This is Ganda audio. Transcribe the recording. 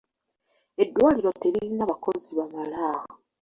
Eddwaliro teririna bakozi bamala.